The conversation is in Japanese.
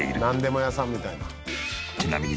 なんでも屋さんみたいな。